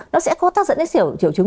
nó sẽ có tác dẫn đến triệu trứng